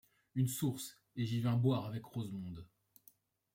Une source, et j’y vins boire avec Rosemonde ;